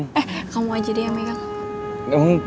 eh kamu aja deh yang megang